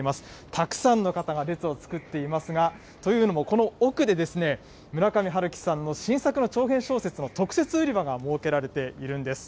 たくさんの方が列を作っていますが、というのもこの奥でですね、村上春樹さんの新作の長編小説の特設売り場が設けられているんです。